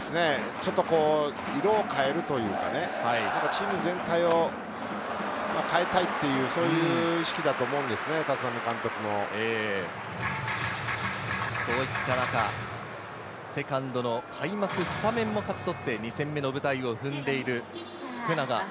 ちょっと色を変えるというか、チーム全体を変えたいっていう、そういう意識だと思うんですね、そういった中、セカンドの開幕スタメンを勝ち取って、２戦目の舞台を踏んでいる福永。